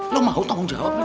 lo mau tanggung jawab